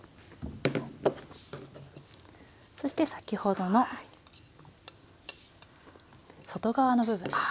そして先ほどの外側の部分ですね。